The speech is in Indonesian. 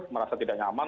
merasa tidak nyaman